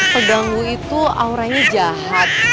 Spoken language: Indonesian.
pengganggu itu auranya jahat